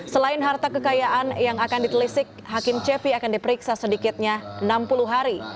selain harta kekayaan yang akan ditelisik hakim cepi akan diperiksa sedikitnya enam puluh hari